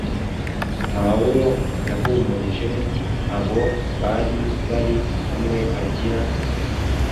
Pawulo yahumurije abo bari bari kumwe agira